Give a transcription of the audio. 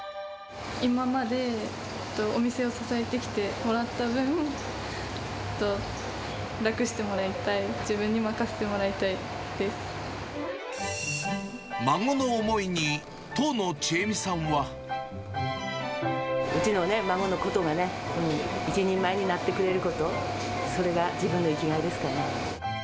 今までお店を支えてきてもらった分、楽してもらいたい、孫の思いに、うちのね、孫のことがね、一人前になってくれること、それが一番の生きがいですかね。